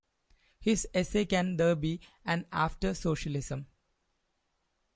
His essay Can There Be An After Socialism?